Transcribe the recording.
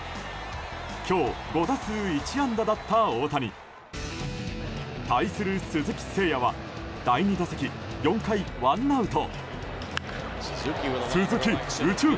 今日５打数１安打だった大谷。対する鈴木誠也は第２打席、４回ワンアウト。